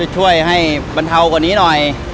ช่วยให้บรรเทากว่านี้หน่อย